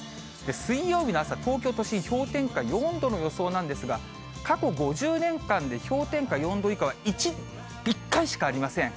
水曜日の朝、東京都心、氷点下４度の予想なんですが、過去５０年間で氷点下４度以下は一回しかありません。